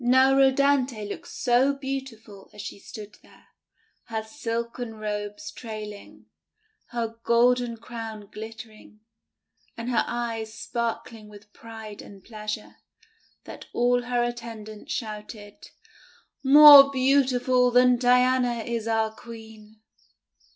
Now Rhodanthe looked so beautiful as she stood there, her silken robes trailing, her golden crown glittering, and her eyes sparkling with pride and pleasure, that all her attendants shouted :— 'More beautiful than Diana is our Queen!"